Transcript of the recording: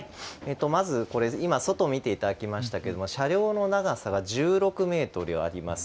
まず外を見ていただきましたが車両の長さが１６メートルあります。